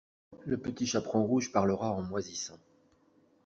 Le Petit Chaperon Rouge parlera en moisissant.